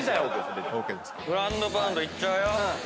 グランドパウンドいっちゃうよ。